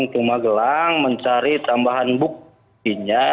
ke magelang mencari tambahan buktinya